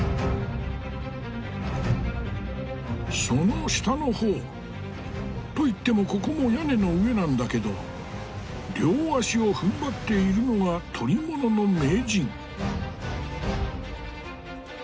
その下の方といってもここも屋根の上なんだけど両足をふんばっているのが捕り物の名人。